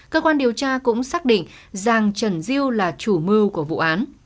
cơ quan điều tra cũng xác định giàng trần diêu là chủ mưu của vụ án